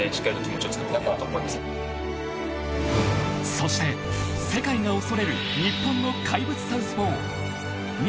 ［そして世界が恐れる日本の怪物サウスポー］